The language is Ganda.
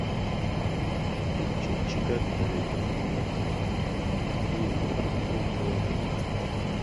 Kino kye kigatta ebitongole bya gavumenti byonna ebiruubirira okuteekawo obwenkanya.